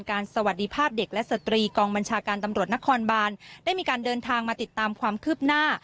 สวัสดีภาพเด็กและสตรีกองบัญชาการตำรวจนครบานได้มีการเดินทางมาติดตามความคืบหน้า